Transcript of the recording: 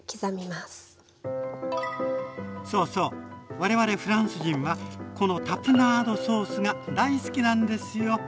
我々フランス人はこのタプナードソースが大好きなんですよ。